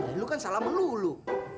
eh lu kan salah melulu